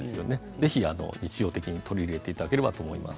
ぜひ、日常的に取り入れていただければと思います。